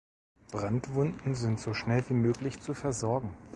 Brandwunden sind so schnell wie möglich zu versorgen.